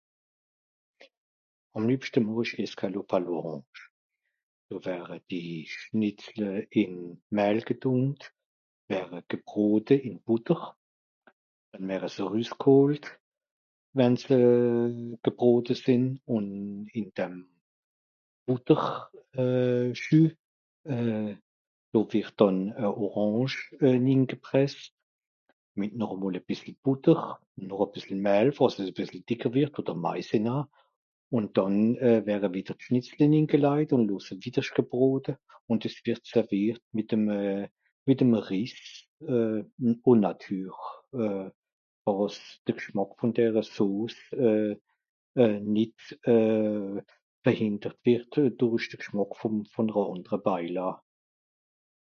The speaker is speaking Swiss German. Àm lìebschte màch ìch Escalope à l'Orange. Noh wère die Schnìtzle ìm Mëhl getùnkt, wère gebrote ìm Bùtter, dànn wère se rüsgholt, wenn se gebrote sìnn, ùn ìn dem Bùtter (...), euh... noh wìrd dànn e Orange euh... ningepresst, mìt noch e mol e bìssel Bùtter, noch e bìssel Mëhl, àss es e bìssel dìcker wìrd, odder Maizena, ùn dànn wère wìdder d'Schnìtzle ningelajt, ùn sìnn wìddersch gebrote ùn dìs wìrd servìert mìt'm euh... mìt'm Riss euh... ùn nature euh..., àss de Gschmack vùn dere Sos euh... nìt euh... behindert geht dùrich de Gschmàck vùm àndera Beilaa.